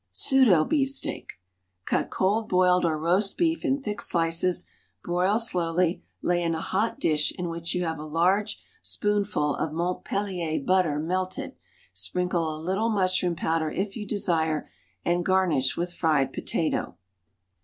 PSEUDO BEEFSTEAK. Cut cold boiled or roast beef in thick slices, broil slowly, lay in a hot dish in which you have a large spoonful of Montpellier butter melted, sprinkle a little mushroom powder if you desire, and garnish with fried potato.